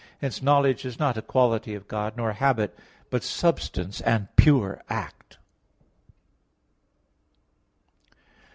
Hence knowledge is not a quality of God, nor a habit; but substance and pure act.